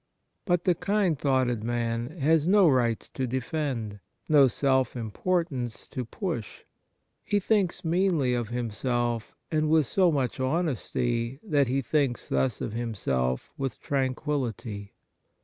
But the kind thoughted man has no rights to defend, no self impor tance to push. He thinks meanly of him self, and with so much honesty that he thinks thus of himself with tranquillity.